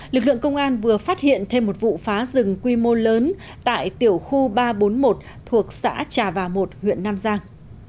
lực lượng công an vừa phát hiện thêm một vụ phá rừng quy mô lớn tại tiểu khu ba trăm bốn mươi một thuộc xã trà và một huyện nam giang